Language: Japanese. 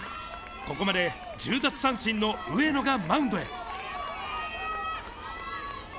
ここまで１０奪三振の上野がマウンドへ。